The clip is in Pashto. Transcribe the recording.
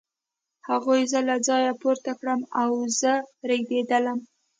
هغوی زه له ځایه پورته کړم او زه رېږېدلم